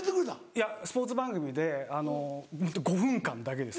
いやスポーツ番組であのホント５分間だけです。